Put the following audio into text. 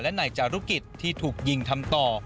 และนายจารุกิจที่ถูกยิงทำต่อ